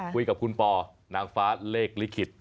คุยกับคุณปอนางฟ้าเลขลิขิต